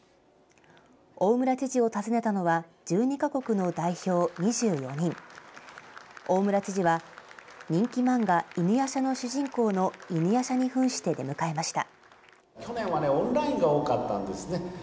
大村知事を訪ねたのは１２か国の代表２４人で大村知事は人気漫画、犬夜叉の主人公の犬夜叉にふんして出迎えました。